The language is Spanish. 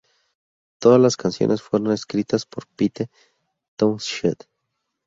Todas las canciones fueron escritas por Pete Townshend.